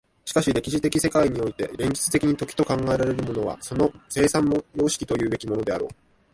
しかし歴史的世界において現実的に時と考えられるものはその生産様式というべきものであろう。